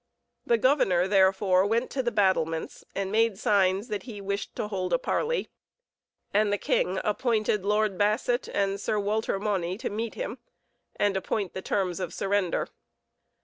The governor, therefore, went to the battlements and made signs that he wished to hold a parley, and the king appointed Lord Basset and Sir Walter Mauny to meet him, and appoint the terms of surrender.